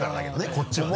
こっちはね。